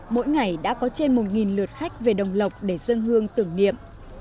mỗi ngày đã có trên một lượt khách về đồng lộc để dân hương tưởng niệm